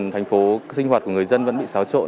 thành phố sinh hoạt của người dân vẫn bị xáo trộn